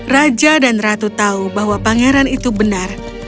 raja dan ratu tahu bahwa pangeran itu benar